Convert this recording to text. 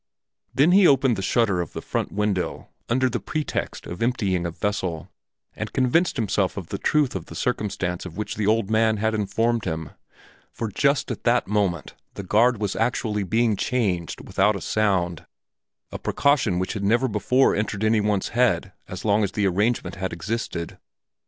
Then he opened the shutter of the front window under the pretext of emptying a vessel, and convinced himself of the truth of the circumstance of which the old man had informed him, for just at that moment the guard was actually being changed without a sound, a precaution which had never before entered any one's head as long as the arrangement had existed.